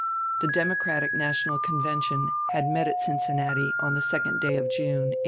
The Democratic National Convention had met at Cincinnati on the 2d day of June, 1856.